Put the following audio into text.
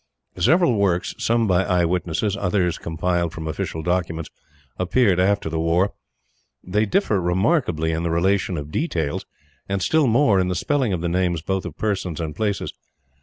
Several works, some by eyewitnesses, others compiled from official documents, appeared after the war. They differ remarkably in the relation of details, and still more in the spelling of the names both of persons and places.